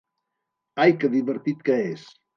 Ai que divertit que és!